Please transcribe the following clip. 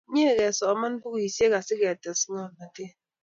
Mye kesoman pukuisyek siketes ng'omnatet